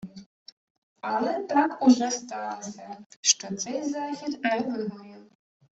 Але так уже сталося, що цей захід «не вигорів»